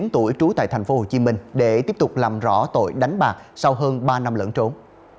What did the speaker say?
bốn mươi tuổi trú tại tp hcm để tiếp tục làm rõ tội đánh bạc sau hơn ba năm lẫn trốn